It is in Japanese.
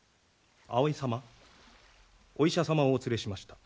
・葵様お医者様をお連れしました。